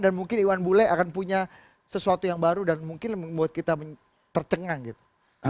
dan mungkin iwan bule akan punya sesuatu yang baru dan mungkin membuat kita tercengang gitu